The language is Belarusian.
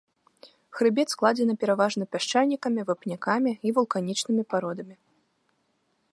Хрыбет складзены пераважна пясчанікамі, вапнякамі і вулканічнымі пародамі.